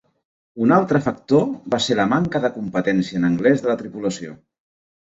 Un altre factor va ser la manca de competència en anglès de la tripulació.